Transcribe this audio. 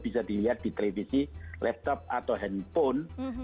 bisa dilihat di televisi laptop atau handphone